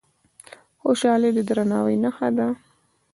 خوشالي د درناوي نښه ده.